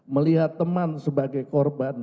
melihat teman sebagai korban